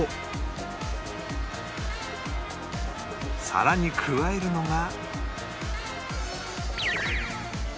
さらに加えるのが